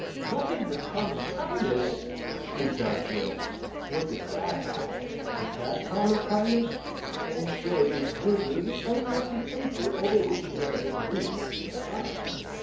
"Nothing but common kindness!" shrieked out George. "Look at that, Hal! Is that common kindness?" and he showed his junior the unlucky paper over which he had been brooding for some time.